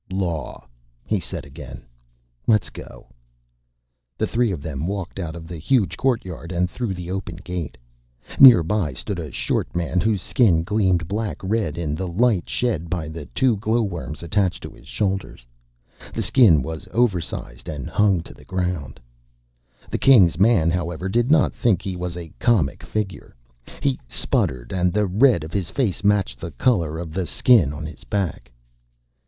"Law," he said again. "Let's go." The three of them walked out of the huge courtyard and through the open gate. Nearby stood a short man whose Skin gleamed black red in the light shed by the two glowworms attached to his shoulders. The Skin was oversized and hung to the ground. The King's man, however, did not think he was a comic figure. He sputtered, and the red of his face matched the color of the skin on his back.